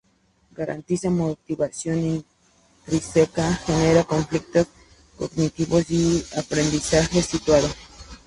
Garantiza motivación intrínseca, genera conflictos cognitivos y aprendizaje situado.